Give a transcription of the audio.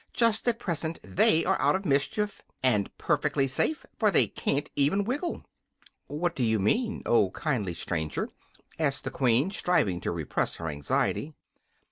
"Just at present they are out of mischief and perfectly safe, for they can't even wiggle." "What mean you, O kindly stranger?" asked the Queen, striving to repress her anxiety.